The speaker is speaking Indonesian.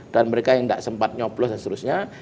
dan mereka yang enggak sempat nyoblos dan seterusnya